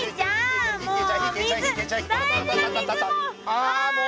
ああもう！